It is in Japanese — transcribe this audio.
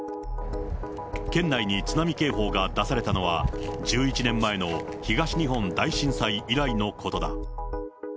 県内に津波警報が出されたのは、１１年前の東日本大震災以来のことだ。